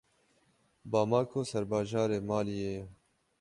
Bamako serbajarê Maliyê ye.